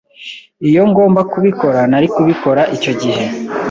Iyo ngomba kubikora, nari kubikora icyo gihe.